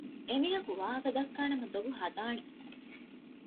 އެމީހަކު ވާހަކަދައްކާ ނަމަ ދޮގު ހަދާނެ